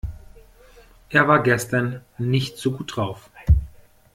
Er war gestern nicht so gut drauf.